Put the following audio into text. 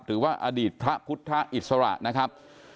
หรือว่าอดีตพระพุทธอิสระนะครับ